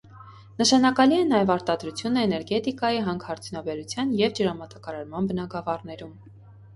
Նշանակալի է նաև արտադրությունը էներգետիկայի, հանքարդյունաբերության և ջրամատակարարման բնագավառներում։